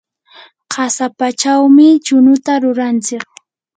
qasapachawmi chunuta ruranchik.